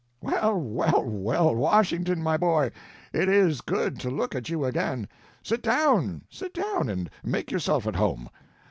"Well, well, well, Washington, my boy, it is good to look at you again. Sit down, sit down, and make yourself at home.